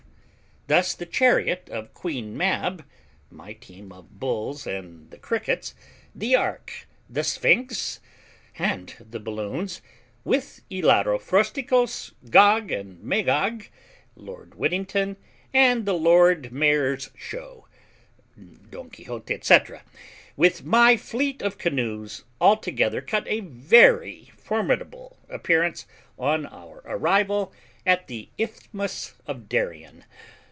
Thus the chariot of Queen Mab, my team of bulls and the crickets, the ark, the Sphinx, and the balloons, with Hilaro Frosticos, Gog and Magog, Lord Whittington, and the Lord Mayor's show, Don Quixote, &c., with my fleet of canoes, altogether cut a very formidable appearance on our arrival at the Isthmus of Darien.